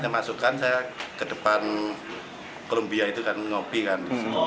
masukkan columbia itu kan mengopi kan